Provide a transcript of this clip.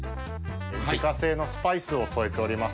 自家製のスパイスを添えております。